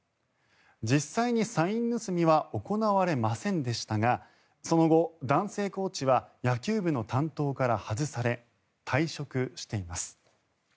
実際にサイン盗みは行われませんでしたがその後、男性コーチは野球部の担当から外され退職しています。